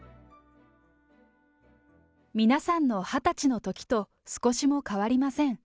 皆さんの２０歳のときと少しも変わりません。